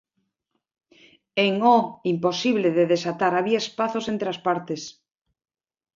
En O imposible de desatar había espazos entre as partes.